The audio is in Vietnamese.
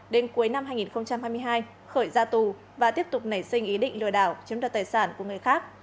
đến cuối năm hai nghìn hai mươi hai khởi ra tù và tiếp tục nảy sinh ý định lừa đảo chiếm đoạt tài sản của người khác